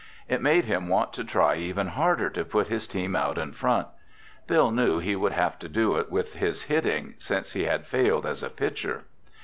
It made him want to try even harder to put his team out in front. Bill knew he would have to do it with his hitting, since he had failed as a pitcher.